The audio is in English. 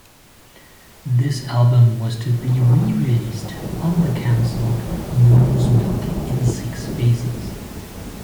This album was to be re-released on the cancelled "Moon's Milk In Six Phases".